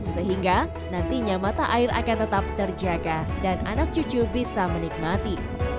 sehingga nantinya mata air akan tetap terjaga dan anak cucu bisa menikmati